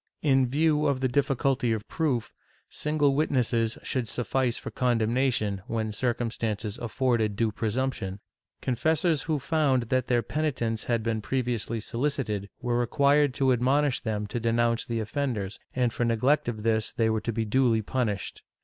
In view of the difficulty of proof, single witnesses should suffice for condemnation, when circumstances afforded due presumption. Confessors, who found that their penitents had been previously solicited, were required to admonish them to denounce the offenders, and for neglect of this they were to be duly punished.